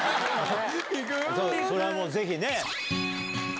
それはもう、ぜひね。